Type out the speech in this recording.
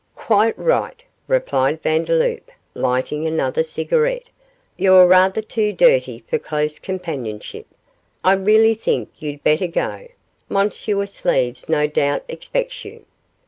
'Quite right,' replied Vandeloup, lighting another cigarette, 'you're rather too dirty for close companionship. I really think you'd better go; Monsieur Sleeves no doubt expects you.